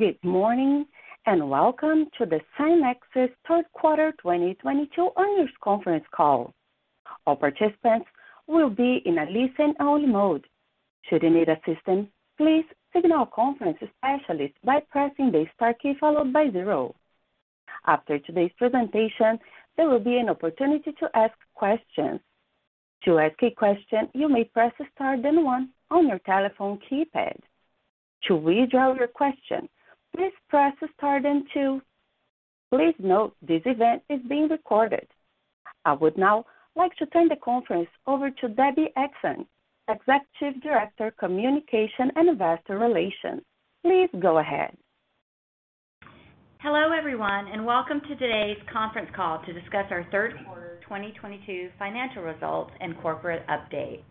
Good morning, and welcome to the SCYNEXIS third quarter 2022 earnings conference call. All participants will be in a listen-only mode. Should you need assistance, please signal a conference specialist by pressing the star key followed by zero. After today's presentation, there will be an opportunity to ask questions. To ask a question, you may press star then one on your telephone keypad. To withdraw your question, please press star then two. Please note this event is being recorded. I would now like to turn the conference over to Debbie Etchison, Executive Director, Communications and Investor Relations. Please go ahead. Hello, everyone, and welcome to today's conference call to discuss our third quarter 2022 financial results and corporate update.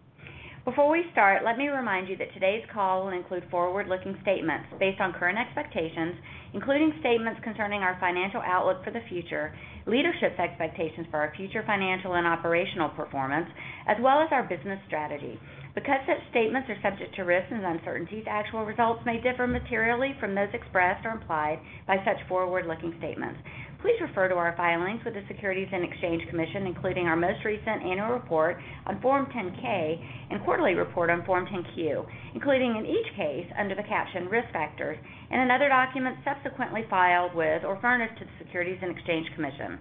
Before we start, let me remind you that today's call will include forward-looking statements based on current expectations, including statements concerning our financial outlook for the future, leadership expectations for our future financial and operational performance, as well as our business strategy. Because such statements are subject to risks and uncertainties, actual results may differ materially from those expressed or implied by such forward-looking statements. Please refer to our filings with the Securities and Exchange Commission, including our most recent annual report on Form 10-K and quarterly report on Form 10-Q, including in each case under the caption Risk Factors and another document subsequently filed with or furnished to the Securities and Exchange Commission.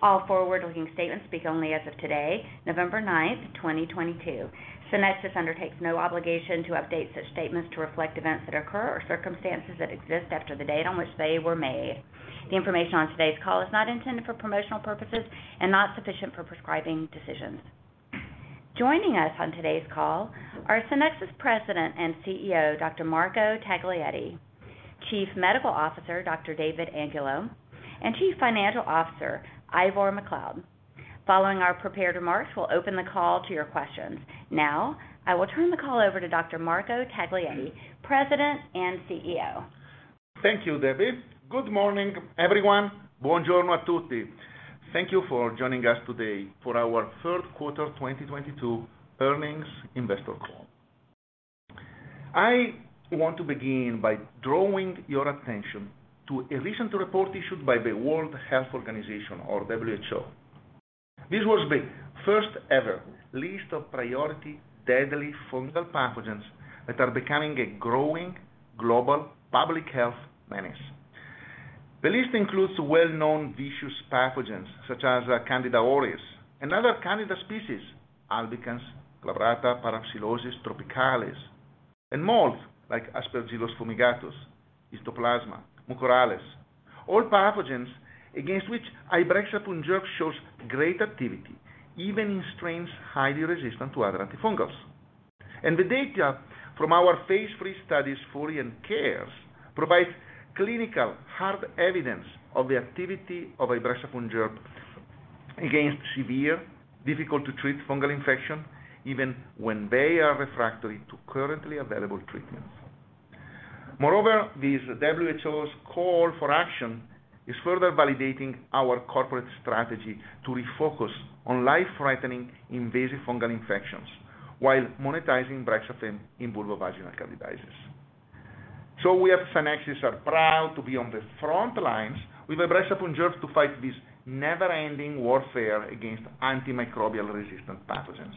All forward-looking statements speak only as of today, November 9, 2022. SCYNEXIS undertakes no obligation to update such statements to reflect events that occur or circumstances that exist after the date on which they were made. The information on today's call is not intended for promotional purposes and not sufficient for prescribing decisions. Joining us on today's call are SCYNEXIS President and CEO, Dr. Marco Taglietti, Chief Medical Officer, Dr. David Angulo, and Chief Financial Officer, Ivor Macleod. Following our prepared remarks, we'll open the call to your questions. Now I will turn the call over to Dr. Marco Taglietti, President and CEO. Thank you, Debbie. Good morning, everyone. Buon giorno a tutti. Thank you for joining us today for our third quarter 2022 earnings investor call. I want to begin by drawing your attention to a recent report issued by the World Health Organization or WHO. This was the first ever list of priority deadly fungal pathogens that are becoming a growing global public health menace. The list includes well-known vicious pathogens such as Candida auris and other Candida species, albicans, glabrata, parapsilosis, tropicalis, and molds like Aspergillus fumigatus, Histoplasma, Mucorales. All pathogens against which ibrexafungerp shows great activity, even in strains highly resistant to other antifungals. The data from our phase three studies, FORTE and CARES, provides clinical hard evidence of the activity of ibrexafungerp against severe, difficult to treat fungal infections, even when they are refractory to currently available treatments. Moreover, this WHO's call for action is further validating our corporate strategy to refocus on life-threatening invasive fungal infections while monetizing BREXAFEMME in vulvovaginal candidiasis. We at SCYNEXIS are proud to be on the front lines with ibrexafungerp to fight this never-ending warfare against antimicrobial resistant pathogens.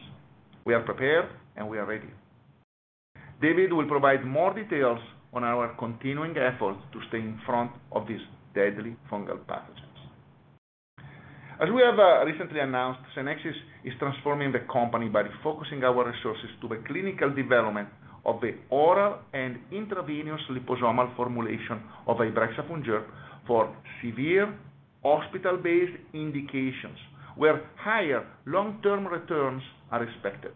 We are prepared, and we are ready. David will provide more details on our continuing efforts to stay in front of these deadly fungal pathogens. As we have recently announced, SCYNEXIS is transforming the company by refocusing our resources to the clinical development of the oral and intravenous liposomal formulation of ibrexafungerp for severe hospital-based indications where higher long-term returns are expected.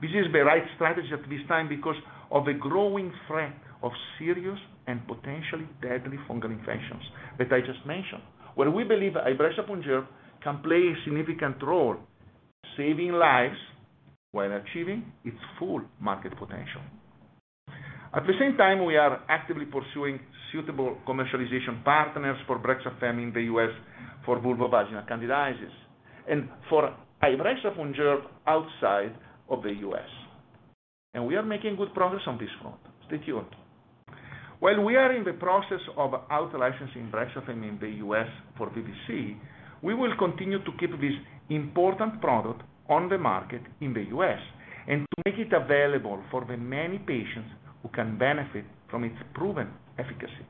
This is the right strategy at this time because of the growing threat of serious and potentially deadly fungal infections that I just mentioned, where we believe ibrexafungerp can play a significant role saving lives while achieving its full market potential. At the same time, we are actively pursuing suitable commercialization partners for BREXAFEMME in the U.S. for vulvovaginal candidiasis and for ibrexafungerp outside of the U.S. We are making good progress on this front. Stay tuned. While we are in the process of out-licensing BREXAFEMME in the U.S. for VVC, we will continue to keep this important product on the market in the U.S. and to make it available for the many patients who can benefit from its proven efficacy.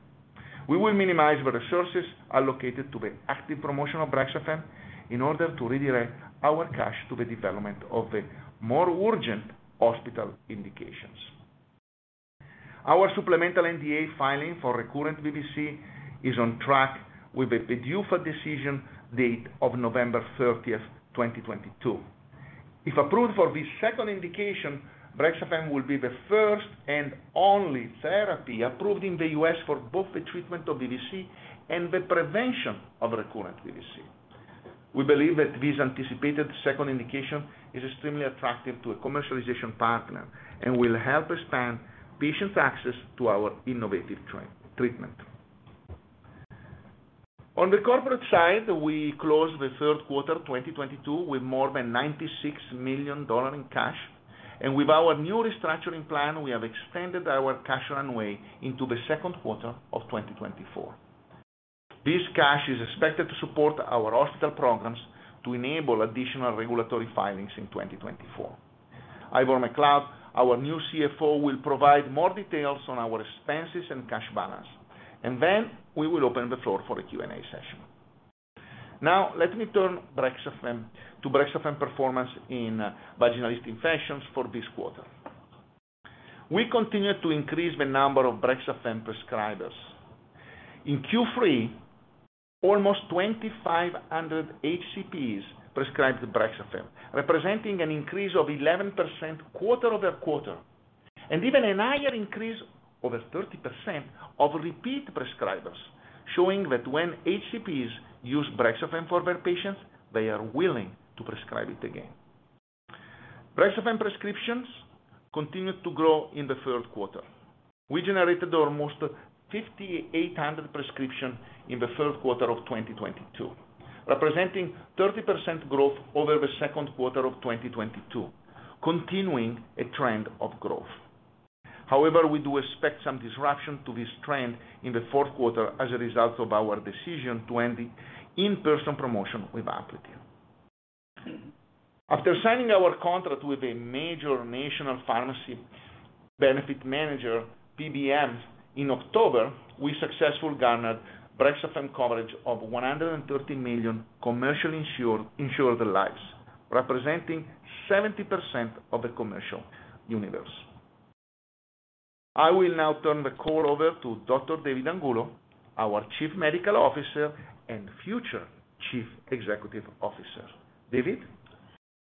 We will minimize the resources allocated to the active promotion of BREXAFEMME in order to redirect our cash to the development of the more urgent hospital indications. Our supplemental NDA filing for recurrent VVC is on track with a PDUFA decision date of November 30, 2022. If approved for this second indication, BREXAFEMME will be the first and only therapy approved in the U.S. for both the treatment of VVC and the prevention of recurrent VVC. We believe that this anticipated second indication is extremely attractive to a commercialization partner and will help expand patients' access to our innovative treatment. On the corporate side, we closed the third quarter 2022 with more than $96 million in cash. With our new restructuring plan, we have extended our cash runway into the second quarter of 2024. This cash is expected to support our hospital programs to enable additional regulatory filings in 2024. Ivor MacLeod, our new CFO, will provide more details on our expenses and cash balance, and then we will open the floor for a Q&A session. Now let me turn to BREXAFEMME performance in vaginal yeast infections for this quarter. We continue to increase the number of BREXAFEMME prescribers. In Q3, almost 2,500 HCPs prescribed BREXAFEMME, representing an increase of 11% quarter-over-quarter, and even a higher increase, over 30%, of repeat prescribers, showing that when HCPs use BREXAFEMME for their patients, they are willing to prescribe it again. BREXAFEMME prescriptions continued to grow in the third quarter. We generated almost 5,800 prescriptions in the third quarter of 2022, representing 30% growth over the second quarter of 2022, continuing a trend of growth. However, we do expect some disruption to this trend in the fourth quarter as a result of our decision to end the in-person promotion with Amplity. After signing our contract with a major national pharmacy benefit manager, PBM, in October, we successfully garnered BREXAFEMME coverage of 130 million commercially insured lives, representing 70% of the commercial universe. I will now turn the call over to Dr. David Angulo, our Chief Medical Officer and future Chief Executive Officer. David.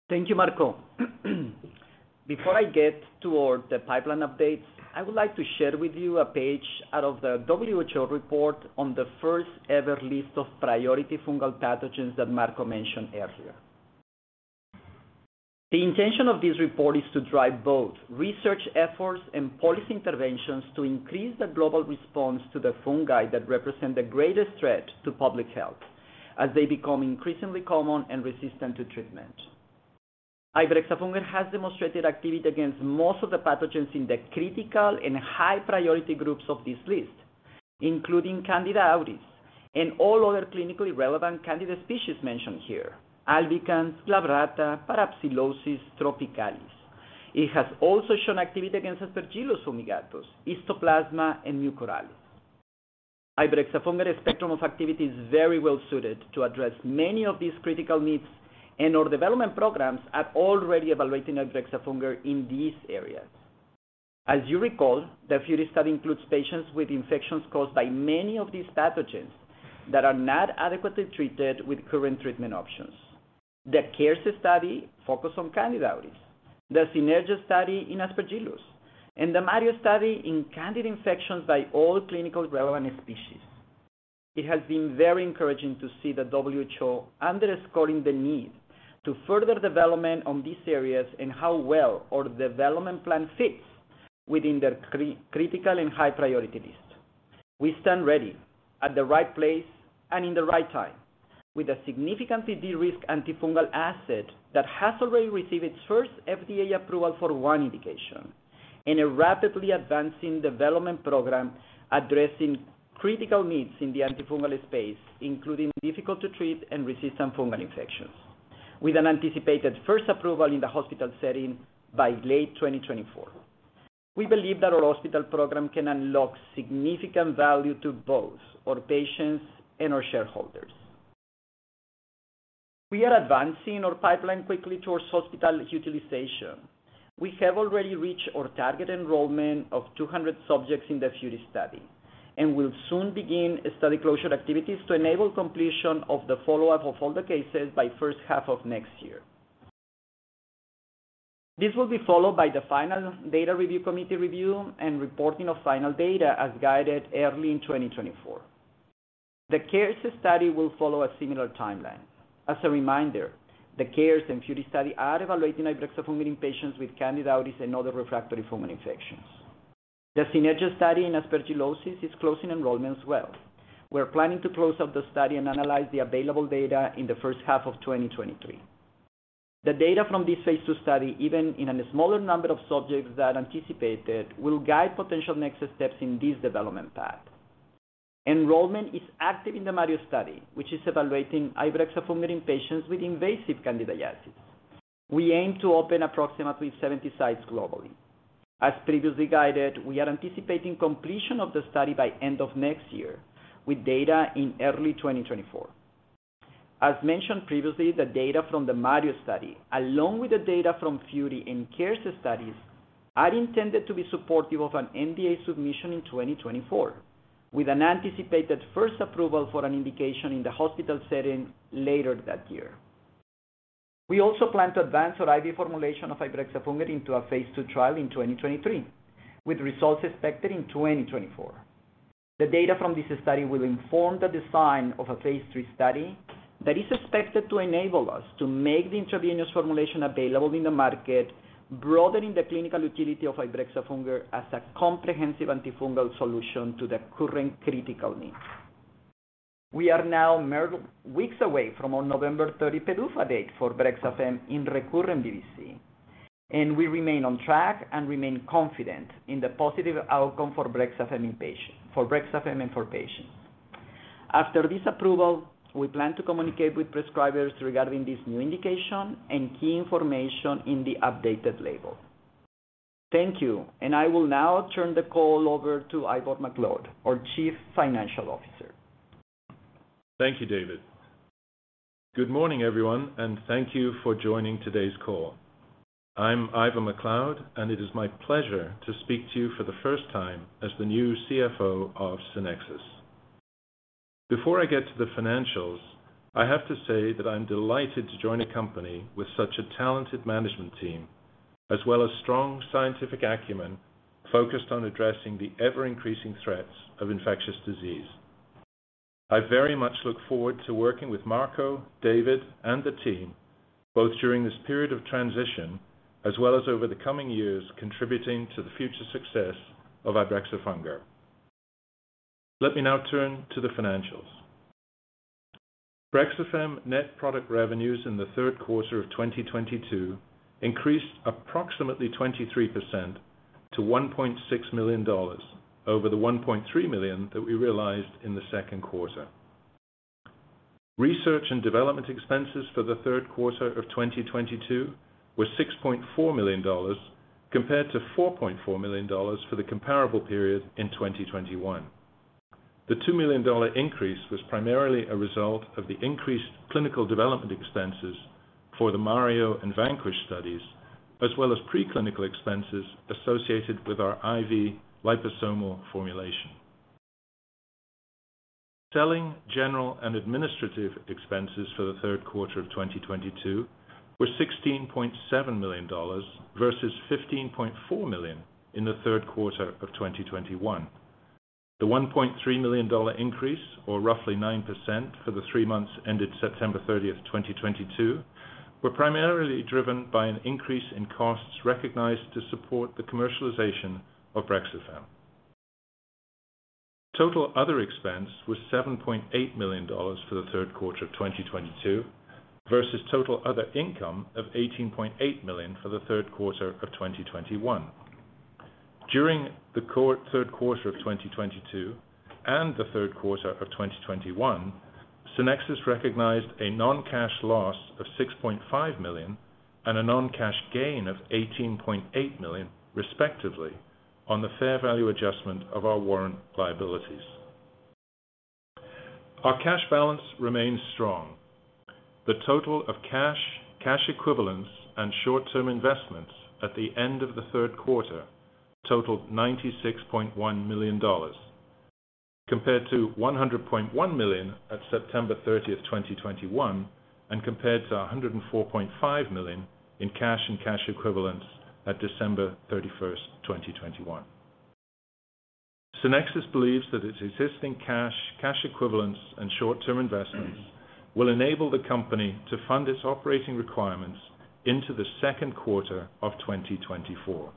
Thank you, Marco. Before I get toward the pipeline updates, I would like to share with you a page out of the WHO report on the first ever list of priority fungal pathogens that Marco mentioned earlier. The intention of this report is to drive both research efforts and policy interventions to increase the global response to the fungi that represent the greatest threat to public health as they become increasingly common and resistant to treatment. Ibrexafungerp has demonstrated activity against most of the pathogens in the critical and high priority groups of this list, including Candida auris and all other clinically relevant Candida species mentioned here, albicans, glabrata, parapsilosis, tropicalis. It has also shown activity against Aspergillus fumigatus, Histoplasma and Mucorales. Ibrexafungerp spectrum of activity is very well suited to address many of these critical needs, and our development programs are already evaluating ibrexafungerp in these areas. As you recall, the FURY Study includes patients with infections caused by many of these pathogens that are not adequately treated with current treatment options. The CARES Study focus on Candida auris, the SCYNERGIA Study in Aspergillus, and the MARIO Study in Candida infections by all clinically relevant species. It has been very encouraging to see the WHO underscoring the need to further development on these areas and how well our development plan fits within their critical and high priority list. We stand ready at the right place and in the right time with a significant PD risk antifungal asset that has already received its first FDA approval for one indication in a rapidly advancing development program addressing critical needs in the antifungal space, including difficult to treat and resistant fungal infections, with an anticipated first approval in the hospital setting by late 2024. We believe that our hospital program can unlock significant value to both our patients and our shareholders. We are advancing our pipeline quickly towards hospital utilization. We have already reached our target enrollment of 200 subjects in the FURY Study and will soon begin study closure activities to enable completion of the follow-up of all the cases by first half of next year. This will be followed by the final data review committee review and reporting of final data as guided early in 2024. The CARES Study will follow a similar timeline. As a reminder, the CARES and FURY Study are evaluating ibrexafungerp in patients with Candida auris and other refractory fungal infections. The SCYNERGIA Study in aspergillosis is closing enrollment as well. We're planning to close out the study and analyze the available data in the first half of 2023. The data from this phase 2 study, even in a smaller number of subjects than anticipated, will guide potential next steps in this development path. Enrollment is active in the MARIO Study, which is evaluating ibrexafungerp in patients with invasive candidiasis. We aim to open approximately 70 sites globally. As previously guided, we are anticipating completion of the study by end of next year with data in early 2024. As mentioned previously, the data from the MARIO Study, along with the data from FURY and CARES Studies, are intended to be supportive of an NDA submission in 2024, with an anticipated first approval for an indication in the hospital setting later that year. We also plan to advance our IV formulation of ibrexafungerp into a phase 2 trial in 2023, with results expected in 2024. The data from this study will inform the design of a phase 3 study. That is expected to enable us to make the intravenous formulation available in the market, broadening the clinical utility of ibrexafungerp as a comprehensive antifungal solution to the current critical needs. We are now mere weeks away from our November 30 PDUFA date for BREXAFEMME in recurrent VVC, and we remain on track and remain confident in the positive outcome for BREXAFEMME in patient, for BREXAFEMME and for patients. After this approval, we plan to communicate with prescribers regarding this new indication and key information in the updated label. Thank you, and I will now turn the call over to Ivor MacLeod, our Chief Financial Officer. Thank you, David. Good morning, everyone, and thank you for joining today's call. I'm Ivor MacLeod, and it is my pleasure to speak to you for the first time as the new CFO of SCYNEXIS. Before I get to the financials, I have to say that I'm delighted to join a company with such a talented management team as well as strong scientific acumen focused on addressing the ever-increasing threats of infectious disease. I very much look forward to working with Marco, David, and the team, both during this period of transition as well as over the coming years, contributing to the future success of ibrexafungerp. Let me now turn to the financials. BREXAFEMME net product revenues in the third quarter of 2022 increased approximately 23% to $1.6 million over the $1.3 million that we realized in the second quarter. Research and development expenses for the third quarter of 2022 were $6.4 million compared to $4.4 million for the comparable period in 2021. The $2 million dollar increase was primarily a result of the increased clinical development expenses for the MARIO and VANQUISH studies, as well as preclinical expenses associated with our IV liposomal formulation. Selling, general and administrative expenses for the third quarter of 2022 were $16.7 million versus $15.4 million in the third quarter of 2021. The $1.3 million dollar increase, or roughly 9% for the three months ended September 30, 2022, were primarily driven by an increase in costs recognized to support the commercialization of BREXAFEMME. Total other expense was $7.8 million for the third quarter of 2022 versus total other income of $18.8 million for the third quarter of 2021. During the third quarter of 2022 and the third quarter of 2021, SCYNEXIS recognized a non-cash loss of $6.5 million and a non-cash gain of $18.8 million, respectively, on the fair value adjustment of our warrant liabilities. Our cash balance remains strong. The total of cash equivalents, and short-term investments at the end of the third quarter totaled $96.1 million, compared to $100.1 million at September 30, 2021, and compared to $104.5 million in cash and cash equivalents at December 31, 2021. SCYNEXIS believes that its existing cash equivalents, and short-term investments will enable the company to fund its operating requirements into the second quarter of 2024.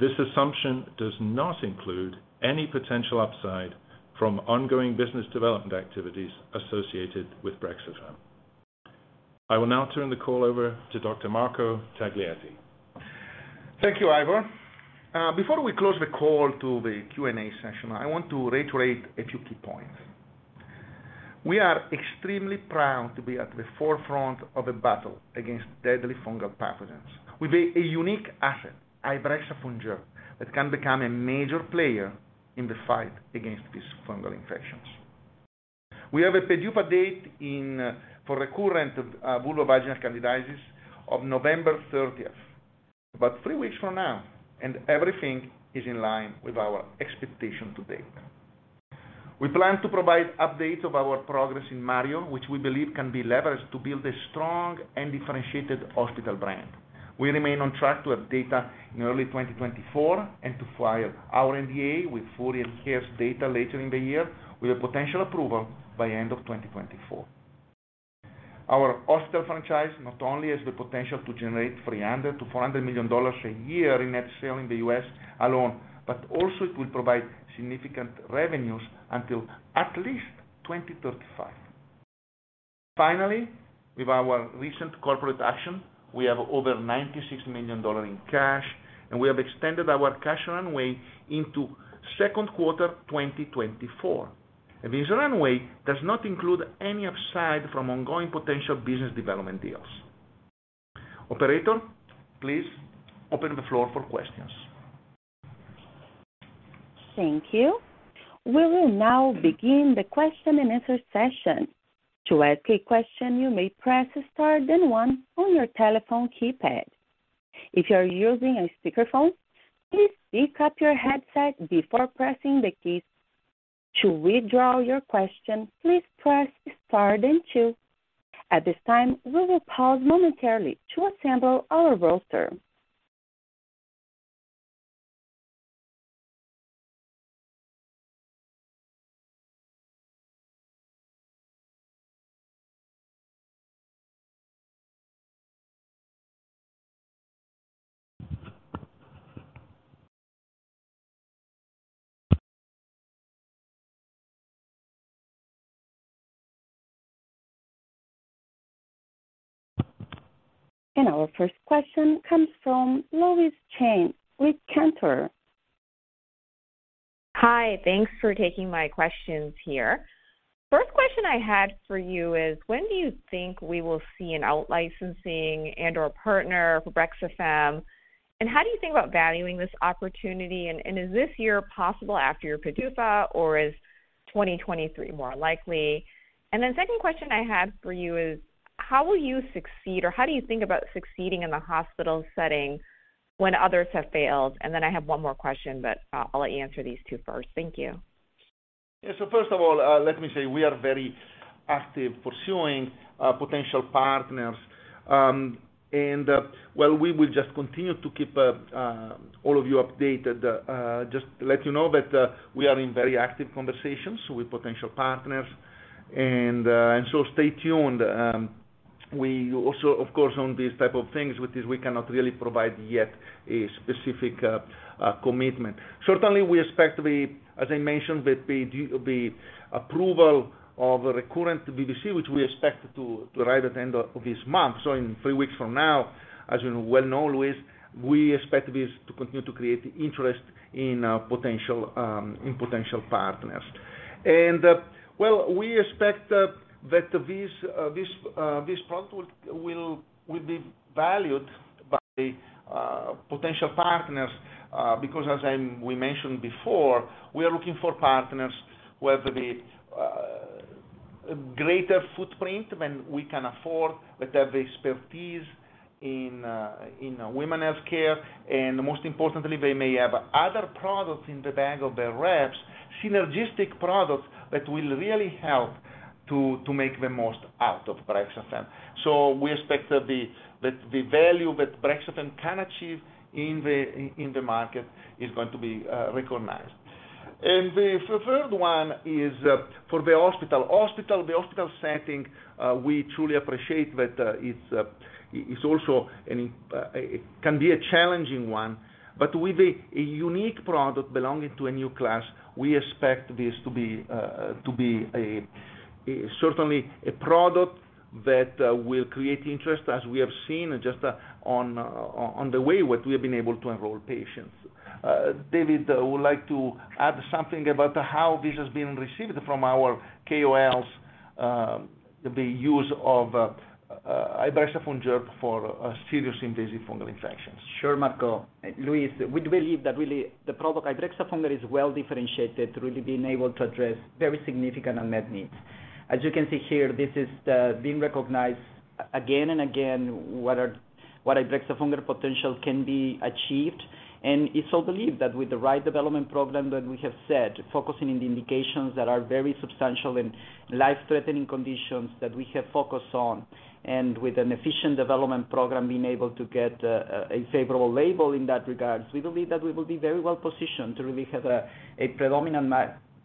This assumption does not include any potential upside from ongoing business development activities associated with BREXAFEMME. I will now turn the call over to Dr. Marco Taglietti. Thank you, Ivor. Before we close the call to the Q&A session, I want to reiterate a few key points. We are extremely proud to be at the forefront of a battle against deadly fungal pathogens with a unique asset, ibrexafungerp, that can become a major player in the fight against these fungal infections. We have a PDUFA date for recurrent vulvovaginal candidiasis on November thirtieth, about three weeks from now, and everything is in line with our expectation to date. We plan to provide updates of our progress in MARIO, which we believe can be leveraged to build a strong and differentiated hospital brand. We remain on track to have data in early 2024 and to file our NDA with full adherence data later in the year, with a potential approval by end of 2024. Our hospital franchise not only has the potential to generate $300 million-$400 million a year in net sales in the U.S. alone, but also it will provide significant revenues until at least 2035. Finally, with our recent corporate action, we have over $96 million in cash, and we have extended our cash runway into second quarter 2024. This runway does not include any upside from ongoing potential business development deals. Operator, please open the floor for questions. Thank you. We will now begin the question-and-answer session. To ask a question, you may press star then one on your telephone keypad. If you are using a speakerphone, please pick up your headset before pressing the keys. To withdraw your question, please press star then two. At this time, we will pause momentarily to assemble our roster. Our first question comes from Louise Chen with Cantor. Hi. Thanks for taking my questions here. First question I had for you is, when do you think we will see an out-licensing and/or partner for BREXAFEMME? How do you think about valuing this opportunity? Is this year possible after your PDUFA or is 2023 more likely? Second question I had for you is, how will you succeed or how do you think about succeeding in the hospital setting when others have failed? I have one more question, but I'll let you answer these two first. Thank you. Yeah. First of all, let me say we are very active pursuing potential partners. Well, we will just continue to keep all of you updated. Just to let you know that we are in very active conversations with potential partners and so stay tuned. We also, of course, on these type of things, which is we cannot really provide yet a specific commitment. Certainly, we expect to be, as I mentioned, with the approval of the recurrent VVC, which we expect to arrive at the end of this month, so in three weeks from now. As you well know, Louise, we expect this to continue to create interest in potential partners. Well, we expect that this product will be valued by potential partners because as we mentioned before, we are looking for partners who have the greater footprint than we can afford, that have expertise in women health care, and most importantly, they may have other products in the bag of their reps, synergistic products that will really help to make the most out of BREXAFEMME. We expect that the value that BREXAFEMME can achieve in the market is going to be recognized. The third one is for the hospital setting. We truly appreciate that it can be a challenging one. With a unique product belonging to a new class, we expect this to be a certainly a product that will create interest as we have seen just on the way what we have been able to enroll patients. David would like to add something about how this has been received from our KOLs, the use of ibrexafungerp for serious invasive fungal infections. Sure, Marco. Louise, we believe that really the product ibrexafungerp is well-differentiated to really being able to address very significant unmet needs. As you can see here, this is being recognized again and again what ibrexafungerp potential can be achieved. It's all believed that with the right development program that we have set, focusing in the indications that are very substantial and life-threatening conditions that we have focused on, and with an efficient development program being able to get a favorable label in that regard, we believe that we will be very well positioned to really have a predominant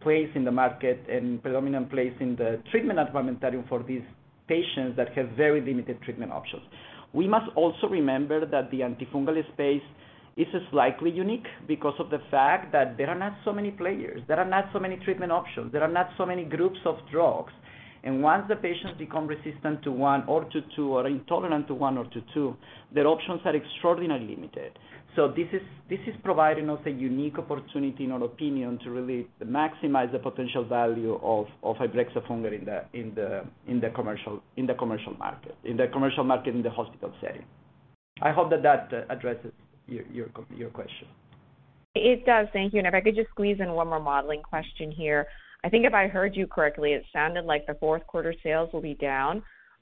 place in the market and predominant place in the treatment armamentarium for these patients that have very limited treatment options. We must also remember that the antifungal space is slightly unique because of the fact that there are not so many players. There are not so many treatment options. There are not so many groups of drugs. Once the patients become resistant to one or to two or intolerant to one or to two, their options are extraordinarily limited. This is providing us a unique opportunity in our opinion to really maximize the potential value of ibrexafungerp in the commercial market in the hospital setting. I hope that that addresses your question. It does. Thank you. If I could just squeeze in one more modeling question here. I think if I heard you correctly, it sounded like the fourth quarter sales will be down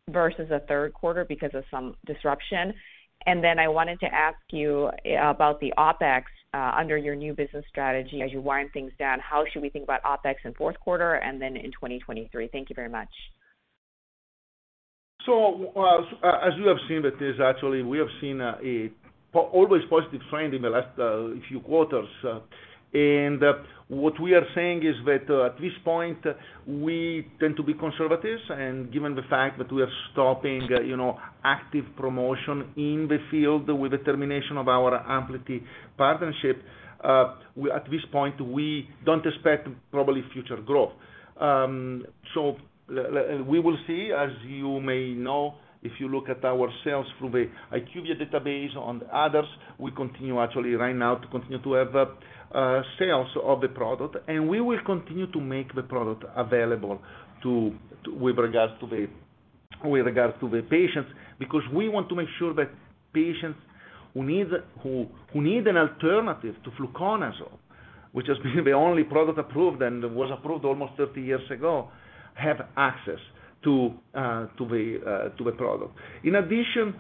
versus the third quarter because of some disruption. Then I wanted to ask you about the OpEx under your new business strategy as you wind things down. How should we think about OpEx in fourth quarter and then in 2023? Thank you very much. As you have seen, that is actually we have seen an always positive trend in the last few quarters. What we are saying is that at this point we tend to be conservative. Given the fact that we are stopping, you know, active promotion in the field with the termination of our Amplity partnership, at this point we don't expect probably future growth. We will see. As you may know, if you look at our sales through the IQVIA database on others, we actually continue right now to have sales of the product and we will continue to make the product available to the patients, because we want to make sure that patients who need an alternative to fluconazole, which has been the only product approved and was approved almost 30 years ago, have access to the product. In addition,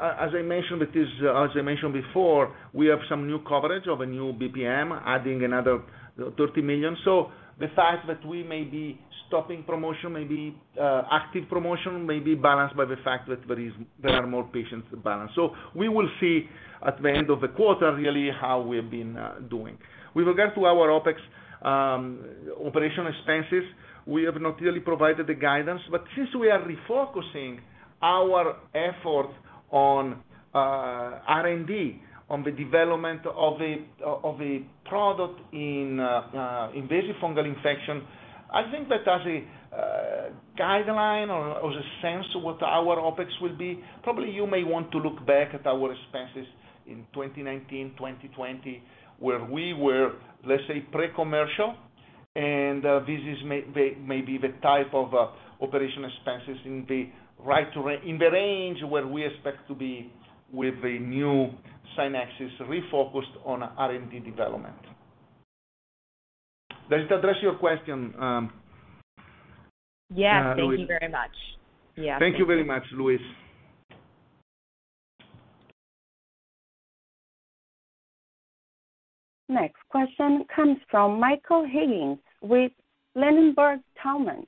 as I mentioned before, we have some new coverage of a new PBM adding another 30 million. The fact that we may be stopping promotion, maybe active promotion, may be balanced by the fact that there are more patients to balance. We will see at the end of the quarter really how we have been doing. With regard to our OpEx, operational expenses, we have not really provided the guidance, but since we are refocusing our efforts on R&D, on the development of a product in invasive fungal infection, I think that as a guideline or the sense what our OpEx will be, probably you may want to look back at our expenses in 2019, 2020, where we were, let's say, pre-commercial, and this is maybe the type of operational expenses in the range where we expect to be with the new Scynexis refocused on R&D development. Does that address your question, Louise? Yes, thank you very much. Yeah. Thank you very much, Louise. Next question comes from Michael Higgins with Ladenburg Thalmann.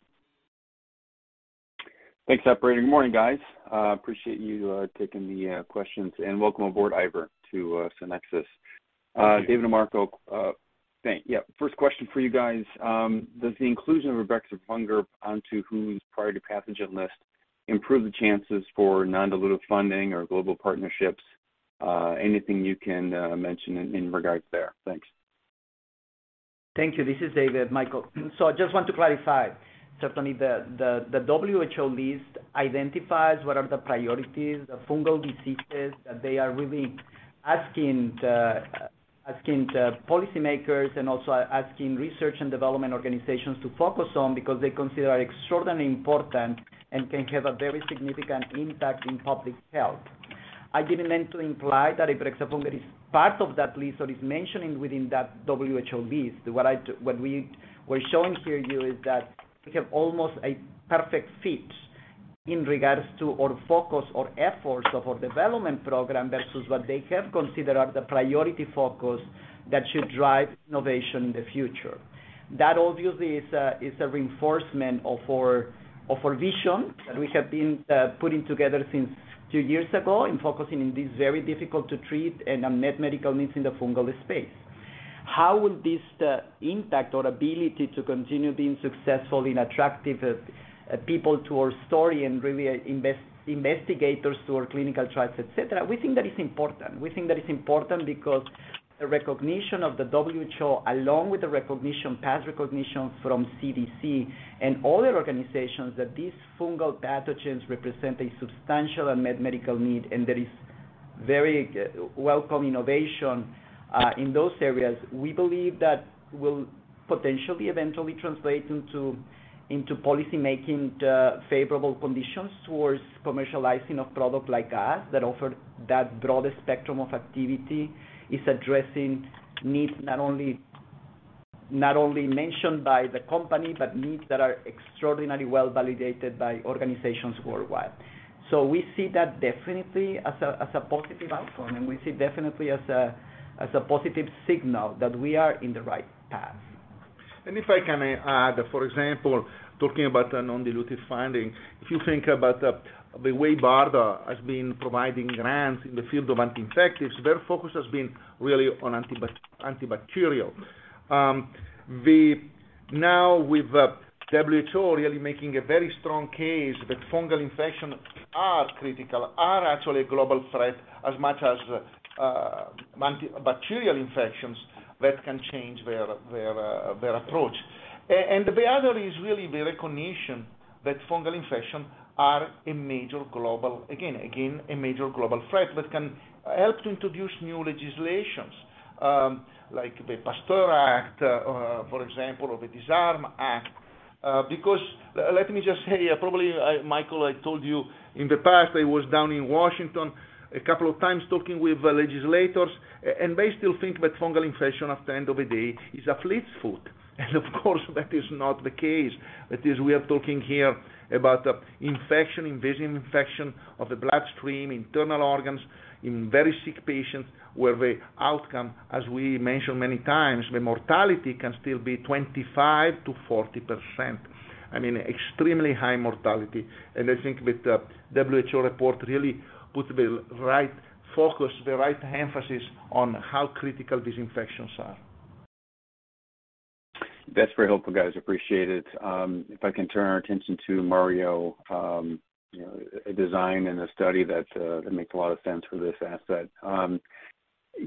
Thanks, operator. Morning, guys. Appreciate you taking the questions, and welcome aboard, Ivor, to SCYNEXIS. Thank you. David and Marco, first question for you guys. Does the inclusion of ibrexafungerp onto WHO's priority pathogen list improve the chances for non-dilutive funding or global partnerships? Anything you can mention in regards there? Thanks. Thank you. This is David, Michael. I just want to clarify, certainly the WHO list identifies what are the priorities of fungal diseases that they are really asking the policymakers and also asking research and development organizations to focus on because they consider are extraordinarily important and can have a very significant impact in public health. I didn't mean to imply that if ibrexafungerp is part of that list or is mentioned within that WHO list. What we were showing to you is that we have almost a perfect fit in regards to our focus, our efforts of our development program versus what they have considered are the priority focus that should drive innovation in the future. That obviously is a reinforcement of our vision that we have been putting together since two years ago in focusing on these very difficult to treat and unmet medical needs in the fungal space. How will this impact our ability to continue being successful in attracting people to our story and really invite investigators to our clinical trials, et cetera? We think that is important. We think that is important because the recognition of the WHO, along with the past recognition from CDC and other organizations that these fungal pathogens represent a substantial unmet medical need, and there is very welcome innovation in those areas. We believe that will potentially eventually translate into policymaking the favorable conditions towards commercializing a product like us that offer that broader spectrum of activity, is addressing needs not only mentioned by the company, but needs that are extraordinarily well-validated by organizations worldwide. We see that definitely as a positive outcome, and we see definitely as a positive signal that we are in the right path. If I can add, for example, talking about a non-dilutive funding. If you think about the way BARDA has been providing grants in the field of infectious diseases, their focus has been really on antibacterial. Now with WHO really making a very strong case that fungal infections are critical, are actually a global threat as much as bacterial infections, that can change their approach. The other is really the recognition that fungal infections are a major global threat, but can help to introduce new legislations like the PASTEUR Act, for example, or the DISARM Act. Because, let me just say, probably, Michael, I told you in the past, I was down in Washington a couple of times talking with legislators, and they still think that fungal infection at the end of the day is athlete's foot. Of course that is not the case. That is, we are talking here about an invasive infection of the bloodstream, internal organs in very sick patients where the outcome, as we mentioned many times, the mortality can still be 25%-40%. I mean, extremely high mortality. I think with the WHO report really put the right focus, the right emphasis on how critical these infections are. That's very helpful, guys. Appreciate it. If I can turn our attention to MARIO, you know, a design and a study that makes a lot of sense for this asset.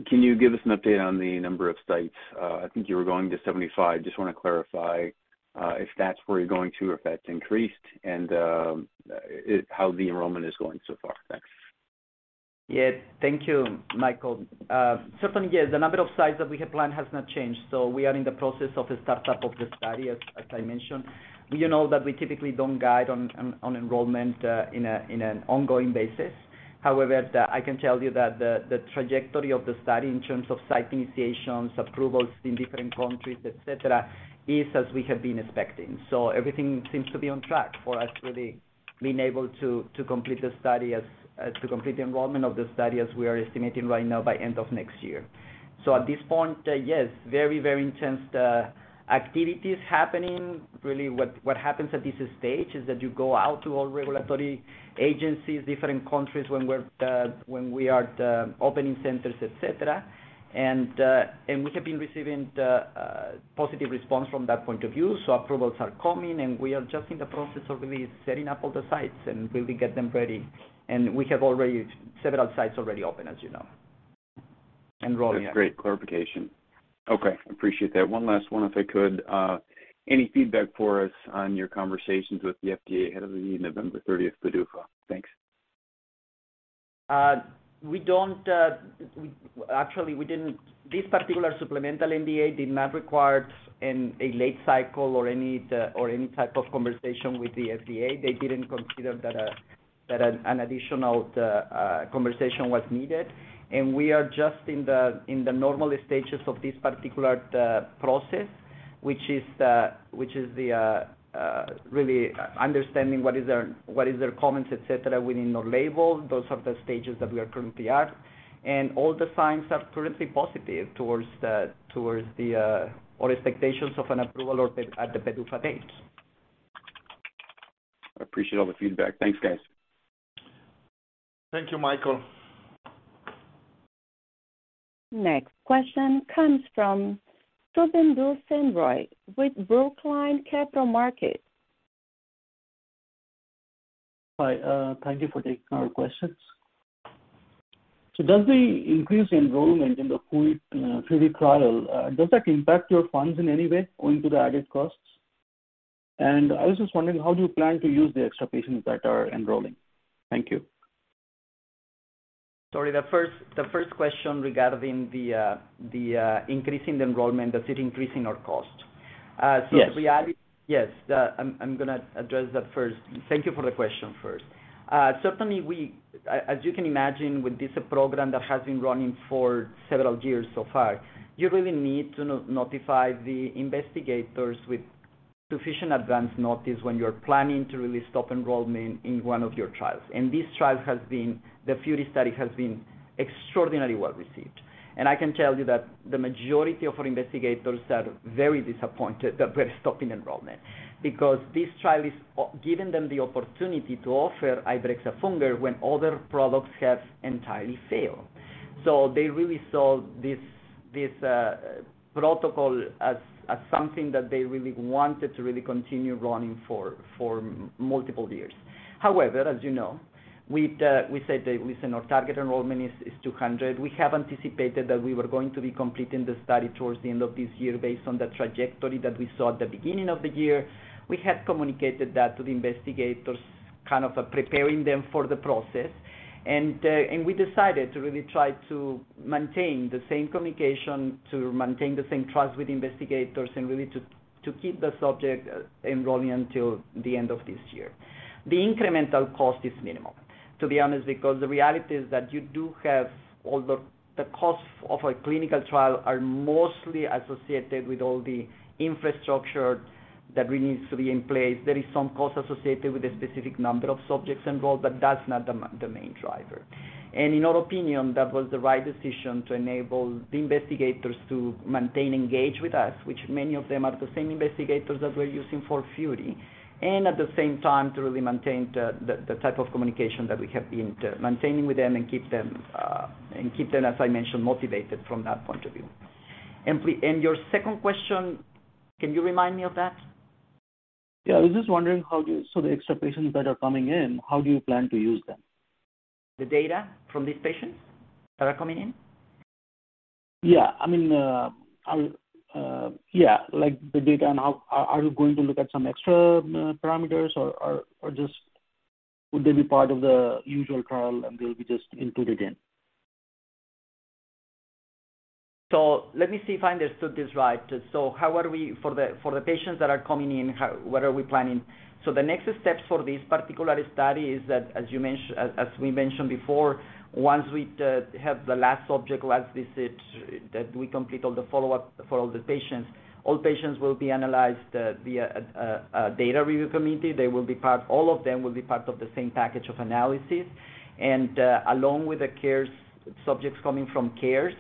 Can you give us an update on the number of sites? I think you were going to 75. Just wanna clarify, if that's where you're going to or if that's increased and how the enrollment is going so far. Thanks. Yeah. Thank you, Michael. Certainly, yes, the number of sites that we have planned has not changed. We are in the process of the startup of the study, as I mentioned. You know that we typically don't guide on enrollment on an ongoing basis. However, I can tell you that the trajectory of the study in terms of site initiations, approvals in different countries, et cetera, is as we have been expecting. Everything seems to be on track for us really being able to complete the enrollment of the study as we are estimating right now by end of next year. At this point, yes, very intense activities happening. Really what happens at this stage is that you go out to all regulatory agencies, different countries when we are opening centers, et cetera. We have been receiving the positive response from that point of view. Approvals are coming, and we are just in the process of really setting up all the sites and really get them ready. We have already several sites already open, as you know. Rony, yeah. That's great clarification. Okay, appreciate that. One last one, if I could. Any feedback for us on your conversations with the FDA ahead of the November thirtieth PDUFA? Thanks. Actually, we didn't. This particular supplemental NDA did not require a late cycle or any type of conversation with the FDA. They didn't consider that an additional conversation was needed. We are just in the normal stages of this particular process, which is really understanding what their comments, et cetera, within the label. Those are the stages that we are currently at. All the signs are currently positive towards our expectations of an approval at the PDUFA date. I appreciate all the feedback. Thanks, guys. Thank you, Michael. Next question comes from Shubhendu Sen Roy with Brookline Capital Markets. Hi, thank you for taking our questions. Does the increased enrollment in the FURY trial impact your funds in any way owing to the added costs? I was just wondering how do you plan to use the extra patients that are enrolling? Thank you. Sorry, the first question regarding increasing the enrollment, does it increase our cost? The reality- Yes. Yes. I'm gonna address that first. Thank you for the question first. Certainly we, as you can imagine with this program that has been running for several years so far, you really need to notify the investigators with sufficient advance notice when you're planning to really stop enrollment in one of your trials. This trial has been, the FURY study has been extraordinarily well received. I can tell you that the majority of our investigators are very disappointed that we're stopping enrollment because this trial is giving them the opportunity to offer ibrexafungerp when other products have entirely failed. They really saw this protocol as something that they really wanted to really continue running for multiple years. However, as you know, we said our target enrollment is 200. We have anticipated that we were going to be completing the study towards the end of this year based on the trajectory that we saw at the beginning of the year. We had communicated that to the investigators, kind of preparing them for the process. We decided to really try to maintain the same communication, to maintain the same trust with investigators and really to keep the subjects enrolling until the end of this year. The incremental cost is minimal, to be honest, because the reality is that you do have all the costs of a clinical trial are mostly associated with all the infrastructure that really needs to be in place. There is some cost associated with the specific number of subjects involved, but that's not the main driver. In our opinion, that was the right decision to enable the investigators to maintain engagement with us, which many of them are the same investigators that we're using for FURY. At the same time to really maintain the type of communication that we have been maintaining with them and keep them, as I mentioned, motivated from that point of view. Your second question, can you remind me of that? I was just wondering. The extra patients that are coming in, how do you plan to use them? The data from these patients that are coming in? Yeah. I mean, yeah, like the data and how are you going to look at some extra parameters or just would they be part of the usual trial and they'll be just included in? Let me see if I understood this right. How are we planning for the patients that are coming in? What are we planning? The next steps for this particular study is that, as we mentioned before, once we have the last subject last visit, we complete all the follow-up for all the patients. All patients will be analyzed via a data review committee. They will be part of the same package of analysis, along with the CARES subjects coming from CARES.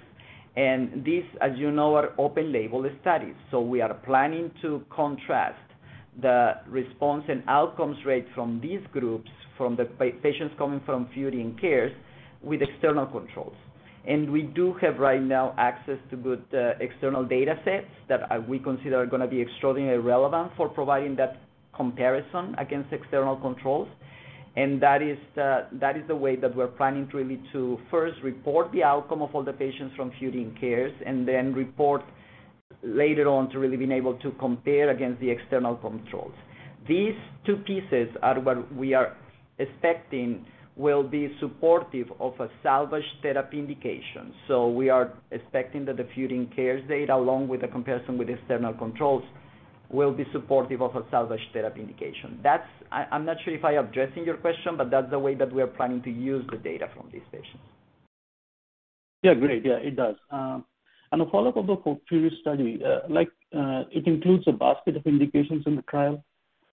These, as you know, are open label studies. We are planning to contrast the response and outcomes rate from these groups, from the patients coming from FURY and CARES with external controls. We do have right now access to good external datasets that we consider are gonna be extraordinarily relevant for providing that comparison against external controls. That is the way that we're planning to really first report the outcome of all the patients from FURY and CARES, and then report later on to really being able to compare against the external controls. These two pieces are what we are expecting will be supportive of a salvage therapy indication. We are expecting that the FURY and CARES data, along with the comparison with external controls will be supportive of a salvage therapy indication. That's. I'm not sure if I'm addressing your question, but that's the way that we are planning to use the data from these patients. Yeah, great. Yeah, it does. A follow-up of the FURY study. Like, it includes a basket of indications in the trial,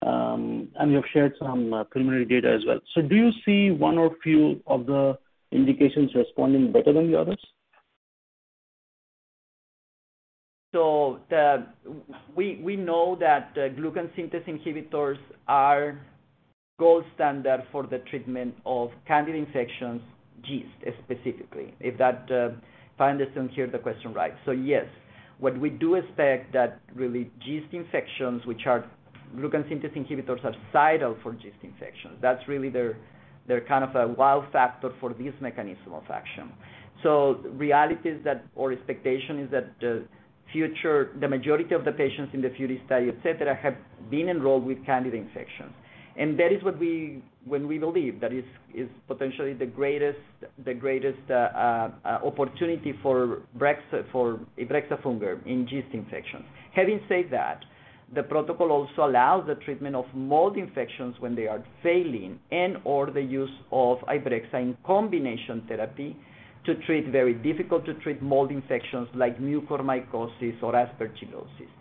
and you have shared some preliminary data as well. Do you see one or few of the indications responding better than the others? We know that glucan synthase inhibitors are gold standard for the treatment of candidal infections, yeast specifically, if I understand the question right. Yes, what we do expect that really yeast infections, which are glucan synthase inhibitors, are ideal for yeast infections. That's really their kind of a wow factor for this mechanism of action. Reality is that our expectation is that the majority of the patients in the FURY study, et cetera, have been enrolled with candidal infections. That is what we believe that is potentially the greatest opportunity for ibrexafungerp in yeast infections. Having said that, the protocol also allows the treatment of mold infections when they are failing and/or the use of ibrexafungerp in combination therapy to treat very difficult to treat mold infections like mucormycosis or aspergillosis.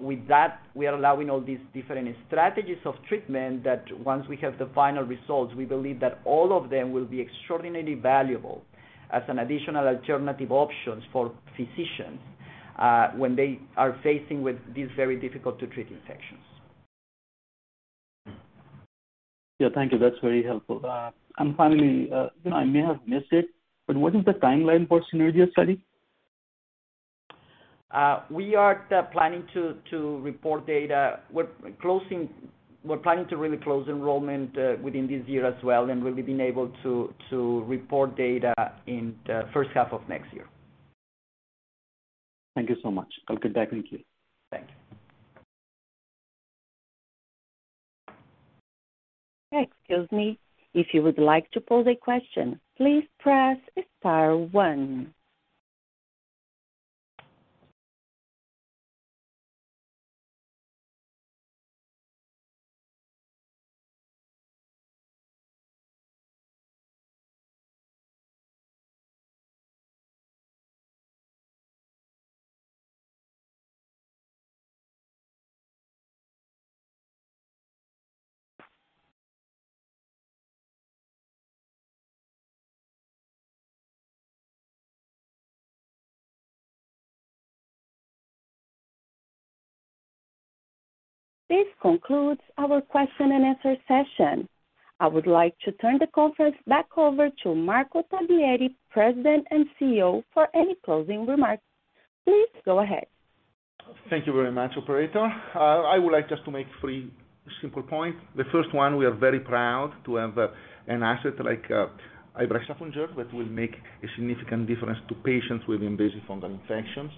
With that, we are allowing all these different strategies of treatment that once we have the final results, we believe that all of them will be extraordinarily valuable as an additional alternative options for physicians, when they are facing with these very difficult to treat infections. Yeah. Thank you. That's very helpful. Finally, you know, I may have missed it, but what is the timeline for SCYNERGIA study? We are planning to report data. We are planning to really close enrollment within this year as well, and we'll be being able to report data in the first half of next year. Thank you so much. I'll get back with you. Thanks. Excuse me. If you would like to pose a question, please press star one. This concludes our question-and-answer session. I would like to turn the conference back over to Marco Taglietti, President and CEO for any closing remarks. Please go ahead. Thank you very much, operator. I would like just to make three simple points. The first one, we are very proud to have, an asset like, ibrexafungerp that will make a significant difference to patients with invasive fungal infections.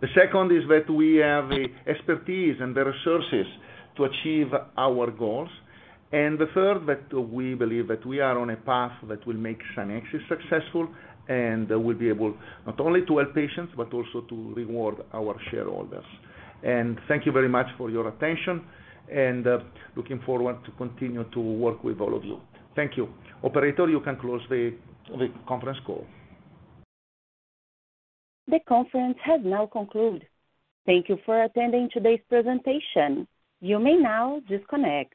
The second is that we have the expertise and the resources to achieve our goals. The third, that we believe that we are on a path that will make SCYNEXIS successful, and we'll be able not only to help patients, but also to reward our shareholders. Thank you very much for your attention and, looking forward to continue to work with all of you. Thank you. Operator, you can close the conference call. The conference has now concluded. Thank you for attending today's presentation. You may now disconnect.